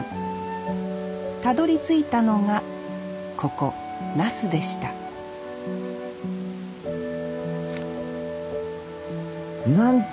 たどりついたのがここ那須でしたなんて